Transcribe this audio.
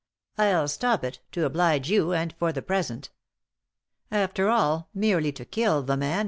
" I'll stop it ; to oblige you — and for the present After all, merely to kill the man.